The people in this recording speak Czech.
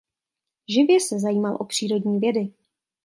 Živě se zajímal o přírodní vědy.